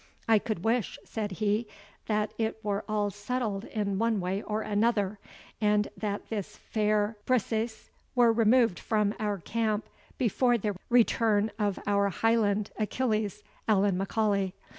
"I could wish," said he, "that it were all settled in one way or another, and that this fair Briseis were removed from our camp before the return of our Highland Achilles, Allan M'Aulay.